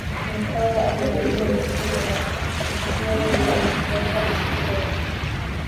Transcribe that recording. Mkwawa alihamia milima ya Udzungwa na kuweka maficho huko